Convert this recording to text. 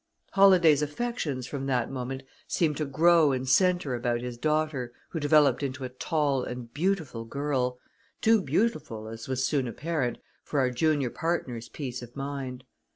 Holladay's affections from that moment seemed to grow and center about his daughter, who developed into a tall and beautiful girl too beautiful, as was soon apparent, for our junior partner's peace of mind.